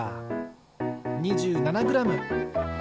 ２７グラム。